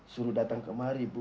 suruh datang kemari bu